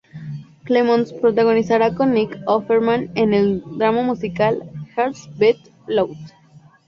Clemons protagonizará con Nick Offerman en el drama musical "Hearts Beat Loud".